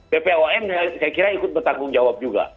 bpom saya kira ikut bertanggung jawab juga